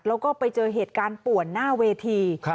แล้วก็ไปเจอเหตุการณ์ป่วนหน้าเวที